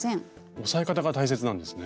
押さえ方が大切なんですね。